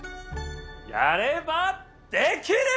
やればできる！